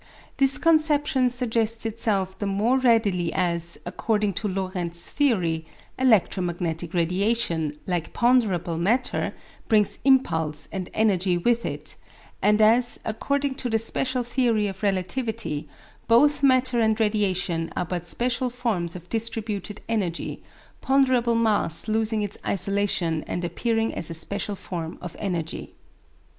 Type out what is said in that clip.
This conception suggests itself the more readily as, according to Lorentz's theory, electromagnetic radiation, like ponderable matter, brings impulse and energy with it, and as, according to the special theory of relativity, both matter and radiation are but special forms of distributed energy, ponderable mass losing its isolation and appearing as a special form of energy.